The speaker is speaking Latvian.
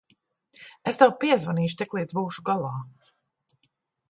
Es tev piezvanīšu, tiklīdz būšu galā.